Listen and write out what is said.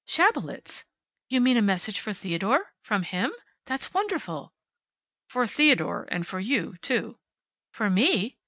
"Schabelitz! You mean a message for Theodore? From him? That's wonderful." "For Theodore, and for you, too." "For me!